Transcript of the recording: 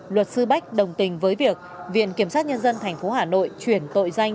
luật sư bách đồng tình với việc viện kiểm sát nhân dân tp hà nội chuyển tội danh